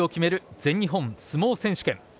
全日本相撲選手権。